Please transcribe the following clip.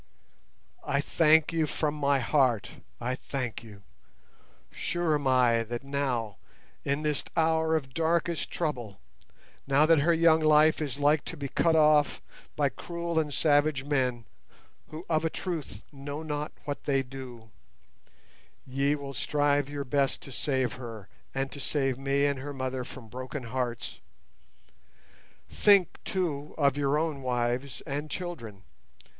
"I thank you from my heart—I thank you. Sure am I that now, in this hour of darkest trouble; now that her young life is like to be cut off by cruel and savage men—who of a truth 'know not what they do'—ye will strive your best to save her, and to save me and her mother from broken hearts. Think, too, of your own wives and children.